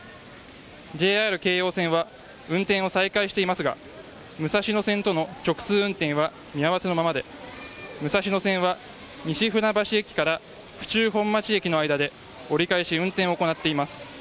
ＪＲ京葉線は運転を再開していますが武蔵野線との直通運転は見合わせのままで武蔵野線は、西船橋駅から府中本町駅の間で折り返し運転を行っています。